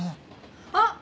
あっ！